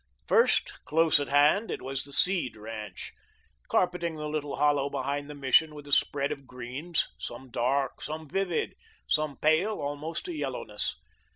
First, close at hand, it was the Seed ranch, carpeting the little hollow behind the Mission with a spread of greens, some dark, some vivid, some pale almost to yellowness.